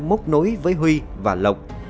mốc nối với huy và lộc